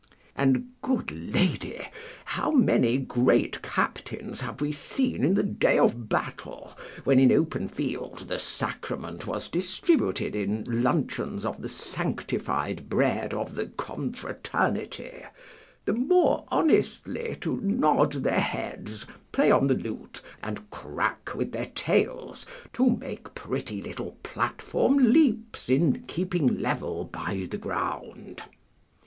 And, good lady, how many great captains have we seen in the day of battle, when in open field the sacrament was distributed in luncheons of the sanctified bread of the confraternity, the more honestly to nod their heads, play on the lute, and crack with their tails, to make pretty little platform leaps in keeping level by the ground?